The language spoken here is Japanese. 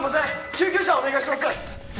救急車お願いします